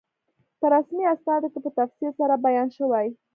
په رسمي اسنادو کې په تفصیل سره بیان شوی.